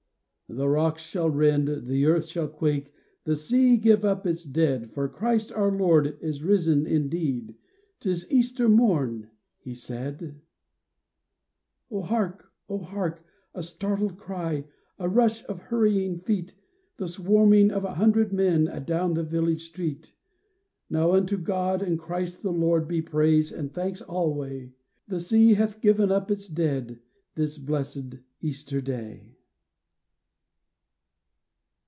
*' The rocks shall rend, the earth shall quake, The sea give up its dead, For Christ our Lord is risen indeed — 'Tis Easter morn," he said. 362 EASTER MORNING Oh, hark ! oh, hark! A startled cry, A rush of hurrying feet, The swarming of a hundred men Adown the village street. " Now unto God and Christ the Lord Be praise and thanks alway !' The sea hath given up its dead This blessed Easter day."